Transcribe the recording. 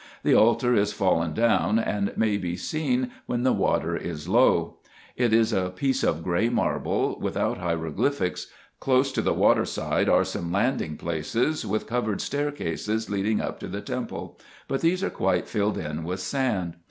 The altar is fallen down, and may be seen when the water is low. It is a piece of gray marble, without hieroglyphics. Close to the water side are some landing places, with covered staircases, leading up to the temple ; but these are quite filled up with sand.